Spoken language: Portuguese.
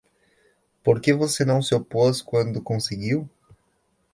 Por que você não se opôs quando conseguiu?